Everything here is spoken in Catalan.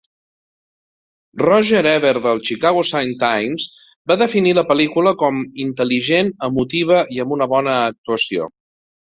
Roger Ebert del "Chicago Sun-Times" va definir la pel·lícula com "intel·ligent, emotiva i amb una bona actuació.